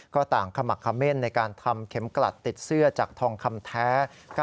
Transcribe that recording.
ก็ต่างขมักเม่นในการทำเข็มกลัดติดเสื้อจากทองคำแท้